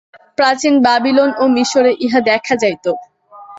প্রাচীন বাবিলন ও মিশরে ইহা দেখা যাইত।